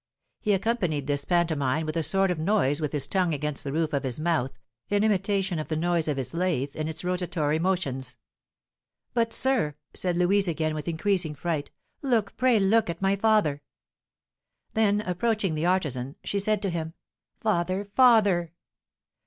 He accompanied this pantomime with a sort of noise with his tongue against the roof of his mouth, in imitation of the noise of his lathe in its rotatory motions. "But, sir," said Louise again, with increasing fright, "look, pray look at my father!" Then, approaching the artisan, she said to him: "Father! father!"